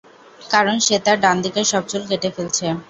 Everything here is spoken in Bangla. কারণ সে তার ডানদিকের সব চুল কেটে ফেলছে।